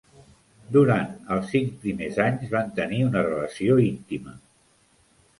Durant els cinc primers anys, van tenir una relació íntima.